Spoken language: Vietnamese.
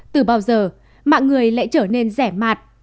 từ bao giờ mạng người lại trở nên rẻ mạt